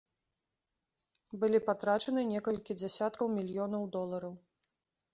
Былі патрачаныя некалькі дзясяткаў мільёнаў долараў.